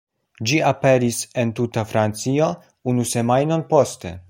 Ĝi aperis en tuta Francio unu semajnon poste.